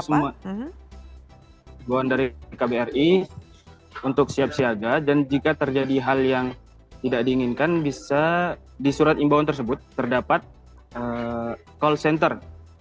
semua dari kbri untuk siap siaga dan jika terjadi hal yang tidak diinginkan bisa di surat imbauan tersebut terdapat call center